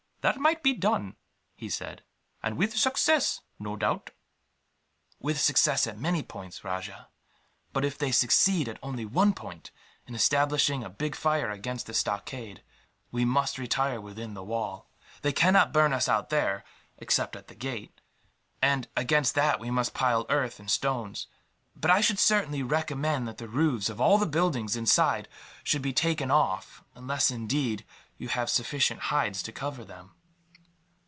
"That might be done," he said, "and with success, no doubt." "With success at many points, Rajah; but if they succeed, at only one point, in establishing a big fire against the stockade; we must retire within the wall. They cannot burn us out there, except at the gate; and against that we must pile up earth and stones. But I should certainly recommend that the roofs of all the buildings inside should be taken off unless, indeed, you have sufficient hides to cover them.